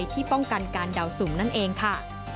ที่ป้องกันการเดาสูงนั่นเองค่ะ